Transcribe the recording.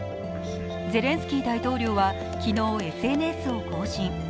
ゼレンスキー大統領は昨日、ＳＮＳを更新。